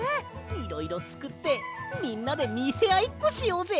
いろいろつくってみんなでみせあいっこしようぜ！